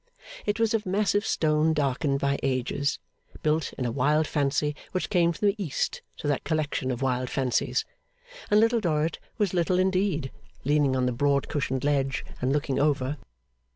It was of massive stone darkened by ages, built in a wild fancy which came from the East to that collection of wild fancies; and Little Dorrit was little indeed, leaning on the broad cushioned ledge, and looking over.